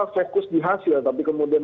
fokus di hasil tapi kemudian